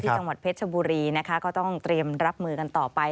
จังหวัดเพชรชบุรีนะคะก็ต้องเตรียมรับมือกันต่อไป